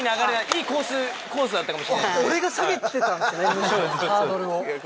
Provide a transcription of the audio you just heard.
いいコースだったかもしれない。